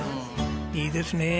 いいですね。